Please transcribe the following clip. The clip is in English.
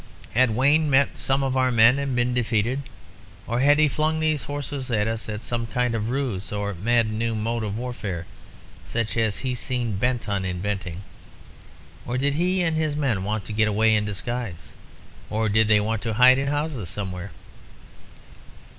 Had Wayne met some of our men and been defeated? Or had he flung these horses at us as some kind of ruse or mad new mode of warfare, such as he seemed bent on inventing? Or did he and his men want to get away in disguise? Or did they want to hide in houses somewhere?